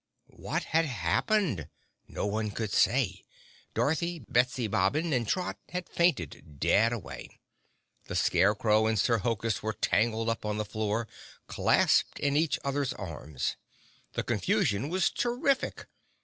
What had happened? No one could say. Dorothy, Betsy Bobbin and Trot had fainted dead away. The Scarecrow and Sir Hokus were tangled up on the floor, clasped in each other's arms. The confusion was terrific.